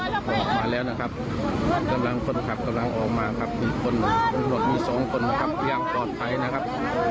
ต้องให้เจ้าหน้าที่เอาเชือกนะมาคล้องแล้วก็พยายามพาขึ้นมาเที่ยวนี้นะครับ